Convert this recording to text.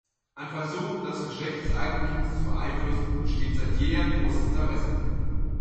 An Versuchen, das Geschlecht des eigenen Kindes zu beeinflussen, besteht seit jeher großes Interesse.